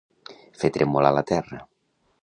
Fer tremolar la terra.